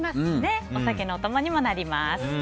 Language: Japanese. お酒のお供にもなります。